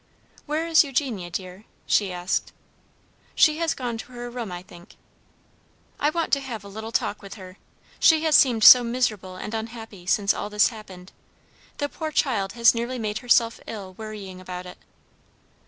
"Where is Eugenia, dear?" she asked. "She has gone to her room, I think." "I want to have a little talk with her. She has seemed so miserable and unhappy, since all this happened. The poor child has nearly made herself ill worrying about it."